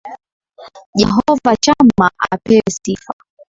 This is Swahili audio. Jehovah Shammah upewe sifa